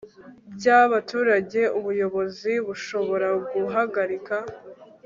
bw abaturage ubuyobozi bushobora guhagarika